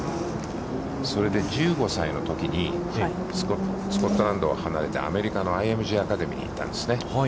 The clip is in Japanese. それで１５歳のときに、スコットランドを離れて、アメリカに行ったんです。